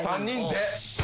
３人で。